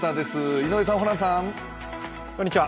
井上さん、ホランさん。